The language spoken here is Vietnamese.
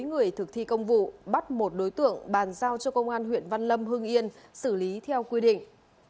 người thực thi công vụ bắt một đối tượng bàn giao cho công an huyện văn lâm hương yên xử lý theo quy định